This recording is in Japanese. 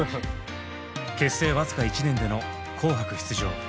結成僅か１年での「紅白」出場。